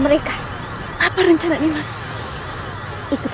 orang yang tidur itu